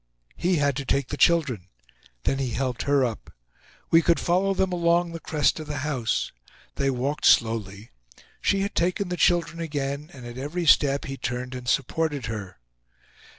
He had to take the children. Then he helped her up. We could follow them along the crest of the house. They walked slowly. She had taken the children again, and at every step he turned and supported her.